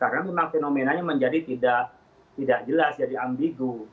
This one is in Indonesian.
karena memang fenomenanya menjadi tidak jelas jadi ambigu